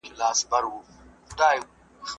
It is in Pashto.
نجونې د ټولنې د بې نظمۍ سبب ګرځي.